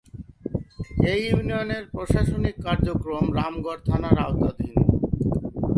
এ ইউনিয়নের প্রশাসনিক কার্যক্রম রামগড় থানার আওতাধীন।